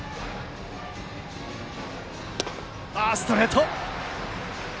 ストレート。